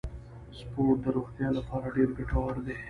سپورت د روغتیا لپاره ډیر ګټور دی.